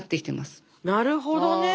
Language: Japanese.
なるほどね。